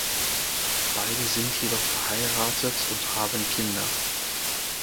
Beide sind jedoch verheiratet und haben Kinder.